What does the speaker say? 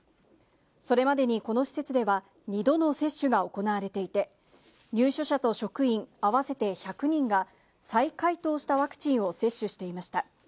それまでにこの施設では２度の接種が行われていて、入所者と職員合わせて１００人が、再解凍したワクチンを接種していました。